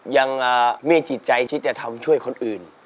ยังมีจิตใจที่จะทำช่วยคนอื่น